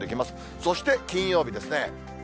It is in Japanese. そして金曜日ですね。